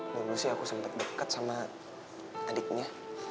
dulu sih aku sempet deket sama adiknya